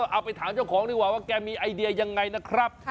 เอาไปถามเจ้าของดีกว่าว่าแกมีไอเดียยังไงนะครับ